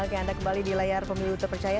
oke anda kembali di layar pemilu terpercaya